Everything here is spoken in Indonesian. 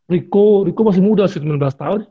riko riko masih muda sih sembilan belas tahun